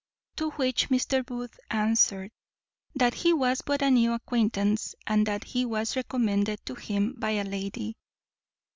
To which Mr. Booth answered, "That he was but a new acquaintance, and that he was recommended to him by a lady."